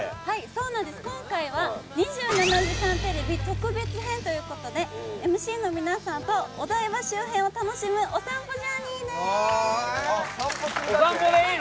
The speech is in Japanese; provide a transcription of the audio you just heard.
今回は「２７時間テレビ」特別編ということでＭＣの皆さんとお台場周辺を楽しむお散歩ジャーニーです。